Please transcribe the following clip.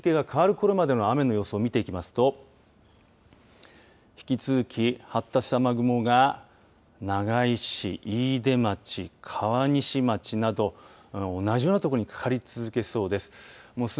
このあと日付が変わるころの雨の様子を見ていきますと引き続き、発達した雨雲が長井市、飯豊町、川西町など同じような所でかかり続けそうです。